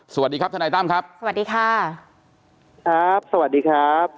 สวัสดีครับทนายตั้มครับสวัสดีค่ะครับสวัสดีครับ